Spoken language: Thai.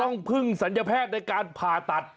ต้องพึ่งสัญญแพทย์ในการผ่าตัด